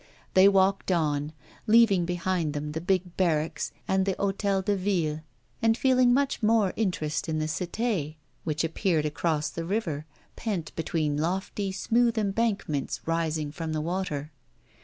They walked on, leaving behind them the big barracks and the Hôtel de Ville, and feeling much more interest in the Cité which appeared across the river, pent between lofty smooth embankments rising from the water.